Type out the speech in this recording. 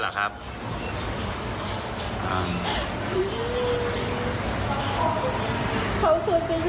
ไม่เปลี่ยนอยู่ตัวเขียวอยู่